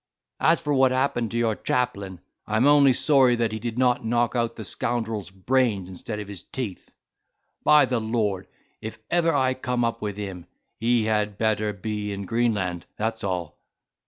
As for what happened to your chaplain, I am only sorry that he did not knock out the scoundrel's brains instead of his teeth. By the Lord, if ever I come up with him, he had better be in Greenland, that's all.